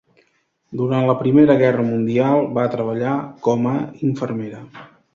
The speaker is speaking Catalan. Durant la Primera Guerra Mundial va treballar com a infermera.